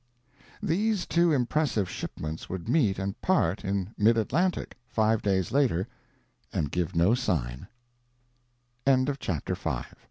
These two impressive shipments would meet and part in mid Atlantic, five days later, and give no sign.